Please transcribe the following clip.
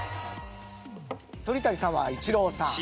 鳥谷さんはイチローさん。